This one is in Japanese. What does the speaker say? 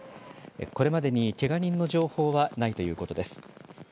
これまでにけが人の情報はないということです。